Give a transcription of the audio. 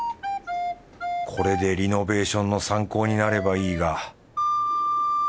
これでリノベーションの参考になればいいが